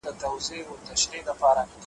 پر اسمان باندي غوړ لمر وو راختلی `